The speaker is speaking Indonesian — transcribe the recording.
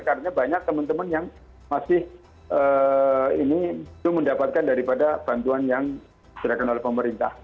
karena banyak teman teman yang masih mendapatkan daripada bantuan yang diberikan oleh pemerintah